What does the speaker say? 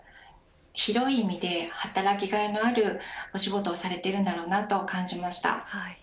広い意味で働きがいのあるお仕事をされているのだろうなと感じました。